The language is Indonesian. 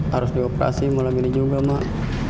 harus dioperasi malam ini juga mak